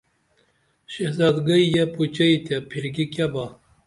شہزادگئی یے پوچئے تے پِھرکی کیہ با